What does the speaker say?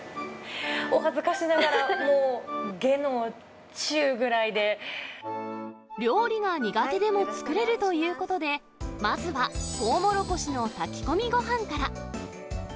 お恥ずかしながら、もう下の料理が苦手でも作れるということで、まずはトウモロコシの炊き込みごはんから。